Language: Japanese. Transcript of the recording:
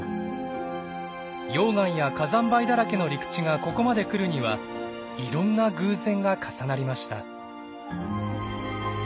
溶岩や火山灰だらけの陸地がここまでくるにはいろんな偶然が重なりました。